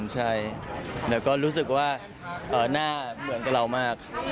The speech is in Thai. หมายถึงว่าหน้าเหมือนกับเรามาก